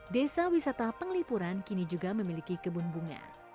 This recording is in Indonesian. desa wisata penglipuran kini juga memiliki kebun bunga